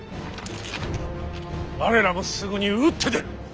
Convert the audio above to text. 我らもすぐに打って出る。